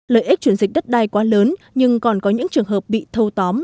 lợi ích chuyển dịch đất đai quá lớn nhưng còn có những trường hợp bị thâu tóm